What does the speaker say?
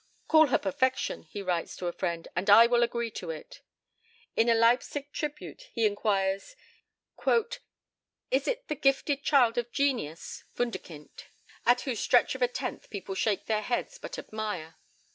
"Call her perfection," he writes to a friend, "and I will agree to it." In a Leipsic tribute, he inquires: "Is it the gifted child of genius (Wunderkind), at whose stretch of a tenth people shake their heads, but admire?